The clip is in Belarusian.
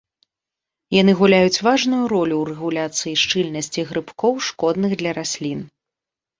Яны гуляюць важную ролю ў рэгуляцыі шчыльнасці грыбкоў, шкодных для раслін.